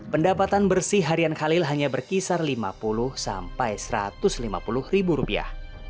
pendapatan bersih harian khalil hanya berkisar lima puluh sampai satu ratus lima puluh ribu rupiah